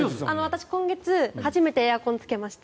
私、今月初めてエアコンをつけました。